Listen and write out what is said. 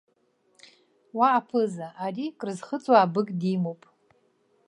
Уа аԥыза! Ари крызхыҵуа абык димоуп.